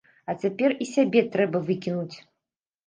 А цяпер і сябе трэба выкінуць!